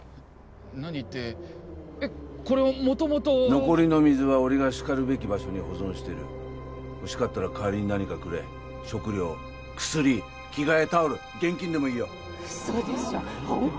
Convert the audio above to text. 何ってえっこれは元々残りの水は俺がしかるべき場所に保存してるほしかったら代わりに何かくれ食料薬着替えタオル現金でもいいよ嘘でしょ本気？